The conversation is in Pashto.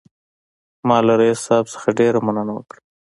ما له رییس صاحب څخه ډېره مننه وکړه.